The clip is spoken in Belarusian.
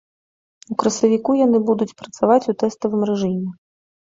У красавіку яны будуць працаваць у тэставым рэжыме.